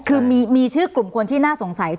คือมีชื่อกลุ่มคนที่น่าสงสัย